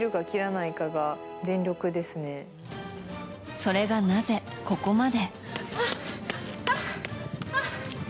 それが、なぜここまで。